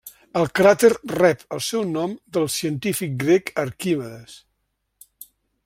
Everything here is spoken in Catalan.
El cràter rep el seu nom del científic grec Arquimedes.